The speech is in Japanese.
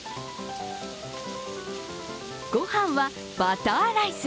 御飯はバターライス。